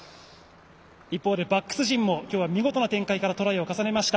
一方でバックス陣も今日は見事な展開からトライを重ねました。